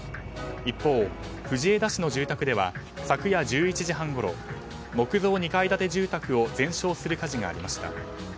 一方、藤枝市の住宅では昨夜１１時半ごろ木造２階建て住宅を全焼する火事がありました。